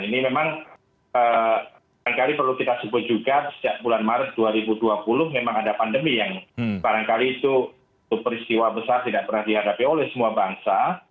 ini memang barangkali perlu kita sebut juga sejak bulan maret dua ribu dua puluh memang ada pandemi yang barangkali itu peristiwa besar tidak pernah dihadapi oleh semua bangsa